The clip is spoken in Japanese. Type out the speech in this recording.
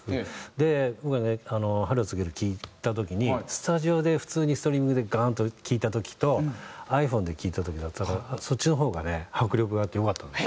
で僕はね『春を告げる』聴いた時にスタジオで普通にストリーミングでガーン！と聴いた時とｉＰｈｏｎｅで聴いた時だったらそっちの方がね迫力があって良かったんですよね。